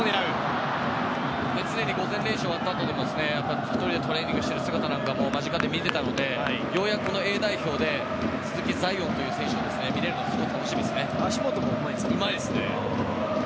常に全体練習が終わったあとも１人でトレーニングする姿も間近で見ていたのでようやくＡ代表で鈴木彩艶という選手を見れるのが足元もうまいですからね。